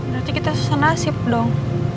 nanti kita susah nasib dong